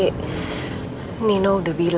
kesukaan untuk aiko